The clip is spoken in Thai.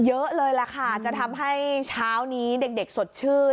เยอะเลยแหละค่ะจะทำให้เช้านี้เด็กสดชื่น